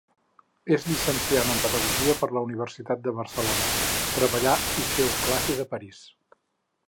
És llicenciada en Pedagogia per la Universitat de Barcelona, treballà i feu classes a París.